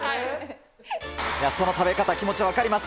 その食べ方、気持ち分かります。